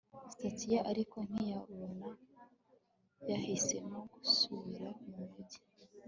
status ye ariko ntiyabona, yahisemo gusubira mu mujyi